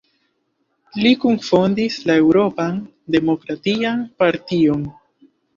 Li kunfondis la Eŭropan Demokratian Partion.